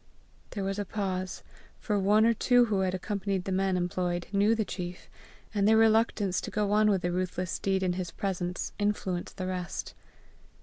There was a pause, for one or two who had accompanied the men employed, knew the chief, and their reluctance to go on with the ruthless deed in his presence, influenced the rest.